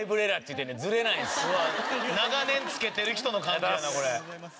長年つけてる人の感じやなこれ。